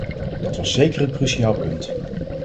Dat was zeker een cruciaal punt.